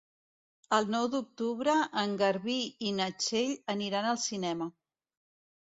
El nou d'octubre en Garbí i na Txell aniran al cinema.